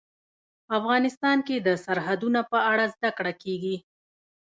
افغانستان کې د سرحدونه په اړه زده کړه کېږي.